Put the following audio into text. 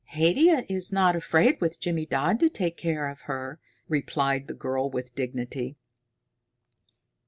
"Haidia is not afraid with Jimmydodd to take care of her," replied the girl with dignity.